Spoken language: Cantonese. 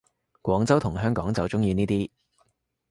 廣州同香港就鍾意呢啲